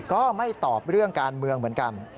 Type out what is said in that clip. ก็ไม่ตอบเรื่องการเมืองเหมือนกัน